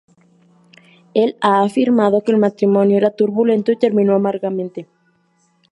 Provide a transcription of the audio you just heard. Él ha afirmado que el matrimonio era turbulento y terminó amargamente.